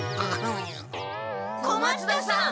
小松田さん！